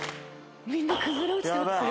みんな崩れ落ちてますよ。